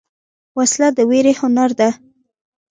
وسله د ویرې هنر ده